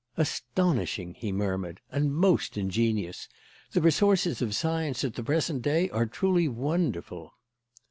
"Astonishing!" he murmured; "and most ingenious. The resources of science at the present day are truly wonderful."